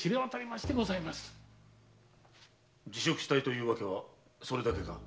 辞職したいという訳はそれだけか？